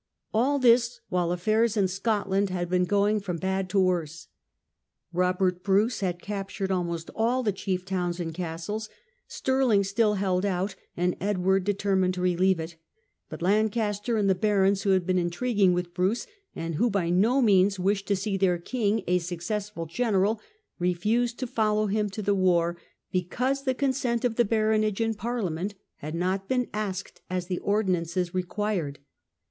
All this while affairs in Scotland had been going from bad to worse. Robert Bruce had captured almost all the chief towns and castles. Stirling still held out, and Edward determined to relieve it. But Lancaster and the barons, who had been intriguing with Bruce, and who by no means wished to see their king a successful general, refused to follow him to the war because the consent of The Battle of the baronage in Parliament had not been Bannockburn. asked as the Ordinances required.